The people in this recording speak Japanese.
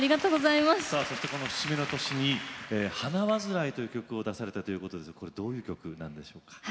さあそしてこの節目の年に「花わずらい」という曲を出されたということですがこれどういう曲なんでしょうか？